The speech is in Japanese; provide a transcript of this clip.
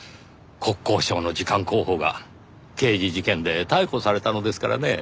国交省の次官候補が刑事事件で逮捕されたのですからねぇ。